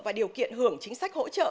và điều kiện hưởng chính sách hỗ trợ